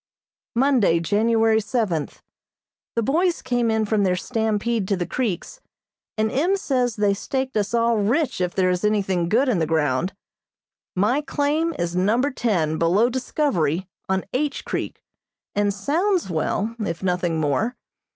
Monday, January seventh: The boys came in from their stampede to the creeks, and M. says they staked us all rich if there is anything good in the ground. My claim is Number Ten, below Discovery, on H. Creek, and sounds well, if nothing more.